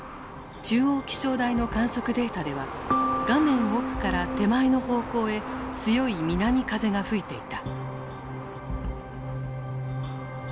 中央気象台の観測データでは画面奥から手前の方向へ強い南風が吹いていた。